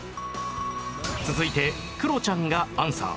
続いてクロちゃんがアンサー